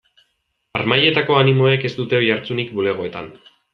Harmailetako animoek ez dute oihartzunik bulegoetan.